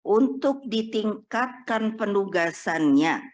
untuk ditingkatkan pendugasannya